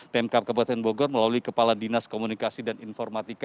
pemkap kabupaten bogor melalui kepala dinas komunikasi dan informatika